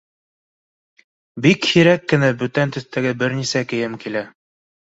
Бик һирәк кенә бүтән төҫтәге бер нисә кейем килә.